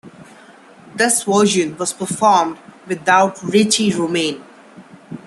This version was performed without Richie Ramone.